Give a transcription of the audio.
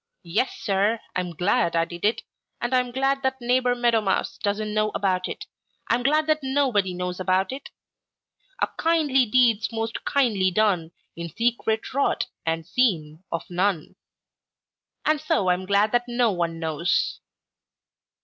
'Yes, Sir, I'm glad I did it, and I'm glad that Neighbor Meadow Mouse doesn't know about it. I'm glad that nobody knows about it. 'A kindly deed's most kindly done In secret wrought, and seen of none. And so I'm glad that no one knows.'